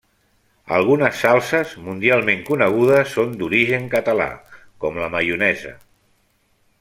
Algunes salses mundialment conegudes són d'origen català, com la maionesa.